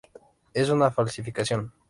Es una falsificación.